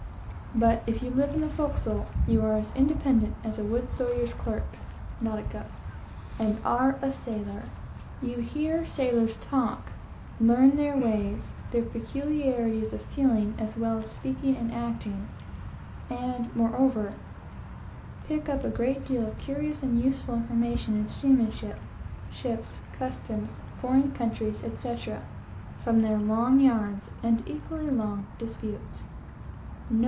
But if you live in the forecastle, you are "as independent as a wood sawyer's clerk," (nautice',) and are a sailor. You hear sailor's talk, learn their ways, their peculiarities of feeling as well as speaking and acting; and moreover pick up a great deal of curious and useful information in seamanship, ship's customs, foreign countries, etc., from their long yarns and equally long disputes.